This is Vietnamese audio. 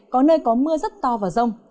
có nơi có mưa rất to vào rông